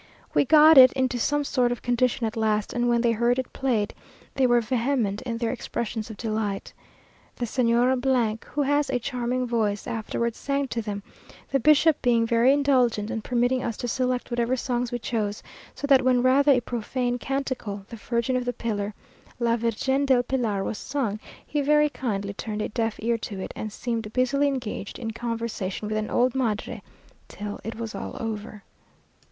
We got it into some sort of condition at last, and when they heard it played, they were vehement in their expressions of delight. The Señora , who has a charming voice, afterwards sang to them, the bishop being very indulgent, and permitting us to select whatever songs we chose, so that when rather a profane canticle, "The Virgin of the Pillar" (La Virgen del Pilar), was sung, he very kindly turned a deaf ear to it, and seemed busily engaged in conversation with an old madre, till it was all over.